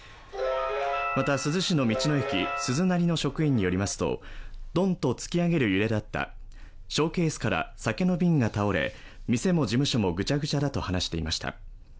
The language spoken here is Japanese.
また珠洲市の道の駅、すずなりの職員によりますとドンと突き上げる揺れだった、ショーケースから酒の瓶が倒れ、店も事務所もぐちゃぐちゃだと話していました。